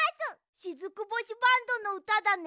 しずく星バンドのうただね。